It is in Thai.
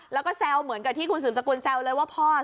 แล้วก็แซวเหมือนกับที่คุณสืบสกุลแซวเลยว่าพ่อ